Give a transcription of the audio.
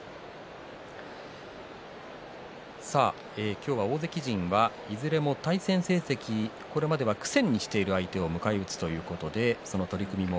今日は大関陣は、いずれも対戦成績、これまで苦戦している相手を迎え撃つということです。